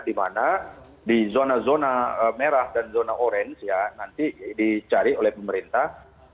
di mana di zona zona merah dan zona orange ya nanti dicari oleh pemerintah